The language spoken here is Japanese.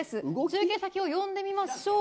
中継先を呼んでみましょう。